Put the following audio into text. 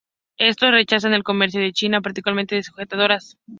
Estos, rechazan el comercio con China, particularmente de sujetadores.